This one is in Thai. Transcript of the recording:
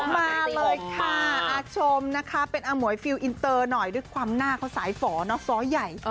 มาเลยค่ะอาชมนะคะเป็นอมวยฟิลอินเตอร์หน่อยด้วยความหน้าเขาสายฝอเนอะฟ้อใหญ่